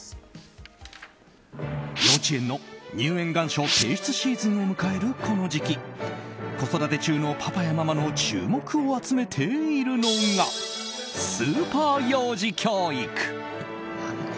幼稚園の入園願書提出シーズンを迎えるこの時期子育て中のパパやママの注目を集めているのがスーパー幼児教育。